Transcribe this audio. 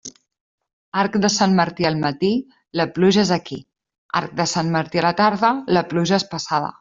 Arc de Sant Martí al matí, la pluja és aquí; arc de Sant Martí a la tarda, la pluja és passada.